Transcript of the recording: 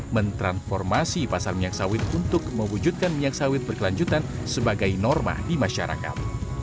mentransformasi pasar minyak sawit untuk mewujudkan minyak sawit berkelanjutan sebagai norma di masyarakat